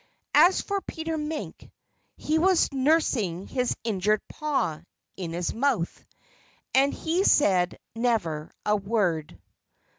As for Peter Mink he was nursing his injured paw (in his mouth!) and he said never a word.